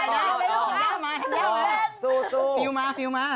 สู้กล่องมันมา